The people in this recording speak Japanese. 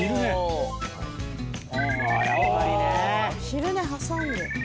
昼寝挟んで。